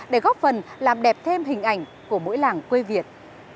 để góp phần làm đẹp thêm hình ảnh của mỗi làng quê việt